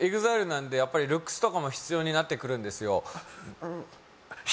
まあＥＸＩＬＥなんでルックスとかも必要になってくるんですよ